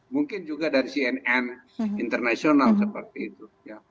mungkin juga dari cnn internasional seperti itu